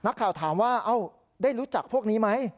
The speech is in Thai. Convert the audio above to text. นักข่าวถามว่าได้รู้จักพวกนี้ไหม